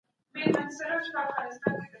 څېړنه د پټو حقایقو د رابرسېره کولو وسیله ده.